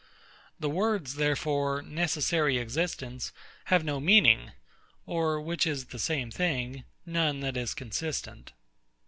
The words, therefore, necessary existence, have no meaning; or, which is the same thing, none that is consistent.